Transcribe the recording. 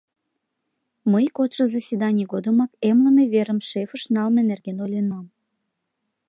Мый кодшо заседаний годымак эмлыме верым шефыш налме нерген ойленам.